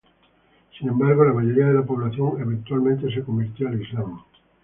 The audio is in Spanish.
Sin embargo, la mayoría de la población eventualmente se convirtió al islam.